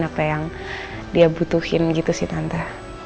apa yang dia butuhin gitu sih tanta